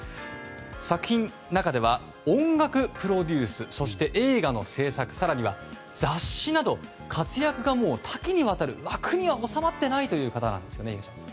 作品、中では音楽プロデュース、映画の制作更には雑誌など活躍が多岐にわたっていて枠には収まらない方なんですね。